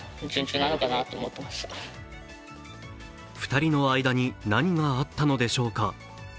２人の間に何があったのでしょうか？